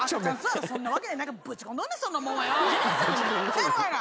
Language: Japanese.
せやろがいな。